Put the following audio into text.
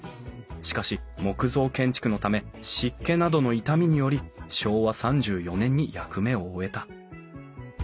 しかし木造建築のため湿気などの傷みにより昭和３４年に役目を終えた。